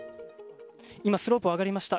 今スロープを上がりました。